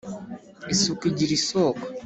Isuku igira isoko.